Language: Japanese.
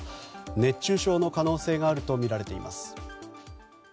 熱中症の可能性があるとみられています。